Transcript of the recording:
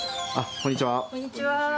こんにちは。